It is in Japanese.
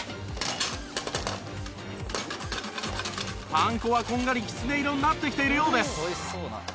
パン粉はこんがりきつね色になってきているようです